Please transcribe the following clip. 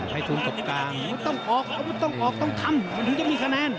พัยทุ่มกบกลางเออต้องออกเอาทุ่มต้องออกต้องทำมันถึงจะมีคะแนน